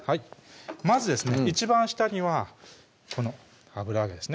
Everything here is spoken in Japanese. まずですね一番下にはこの油揚げですね